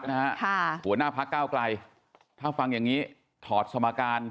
ขอบคุณทุกทางครับสวัสดีครับ